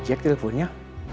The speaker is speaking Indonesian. kok di reject teleponnya